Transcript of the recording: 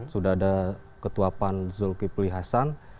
sudah ada ketua pan zulkifli hasan